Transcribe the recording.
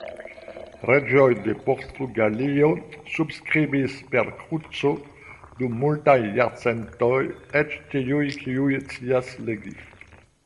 Reĝoj de Portugalio subskribis per kruco dum multaj jarcentoj, eĉ tiuj kiuj scias legi.